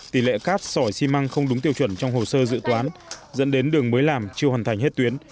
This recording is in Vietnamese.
tỷ lệ cát sỏi xi măng không đúng tiêu chuẩn trong hồ sơ dự toán dẫn đến đường mới làm chưa hoàn thành hết tuyến